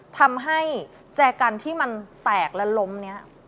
ทำให้แจกันที่มันแตกและล้มเนี่ย